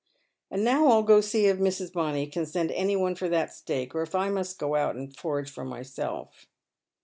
And now I'll go and see if Mrs. Bonny can send any one for that steak, or if I must go out and forage for myself."